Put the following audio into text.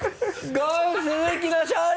ゴン鈴木の勝利！